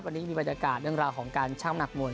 วันนี้มีบรรยากาศเรื่องราวของการช่างหนักมวล